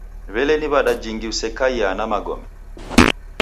W'ele ni w'ada jingi usekaiaa na magome?